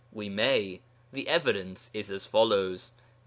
We may; the evidence is as follows.